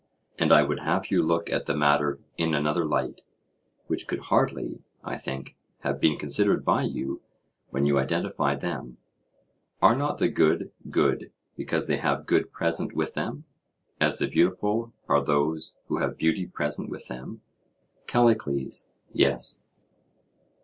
And I would have you look at the matter in another light, which could hardly, I think, have been considered by you when you identified them: Are not the good good because they have good present with them, as the beautiful are those who have beauty present with them? CALLICLES: Yes.